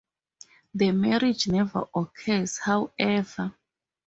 The marriage never occurs, however.